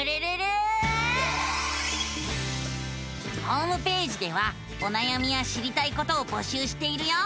ホームページではおなやみや知りたいことを募集しているよ。